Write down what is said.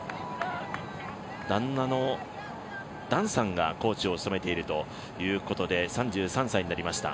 旦那のダンさんがコーチを務めているということで３３歳になりました。